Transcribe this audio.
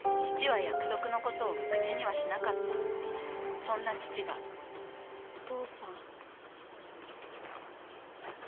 父は約束のことを口にはしなかったそんな父がお父さん。